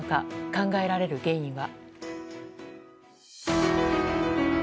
考えられる原因は。